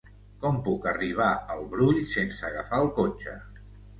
Com puc arribar al Brull sense agafar el cotxe?